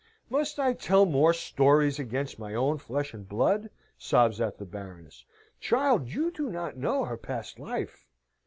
"Must I tell more stories against my own flesh and blood?" sobs out the Baroness. "Child, you do not know her past life!"